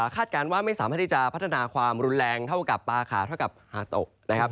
การว่าไม่สามารถที่จะพัฒนาความรุนแรงเท่ากับปลาขาวเท่ากับฮาโตะนะครับ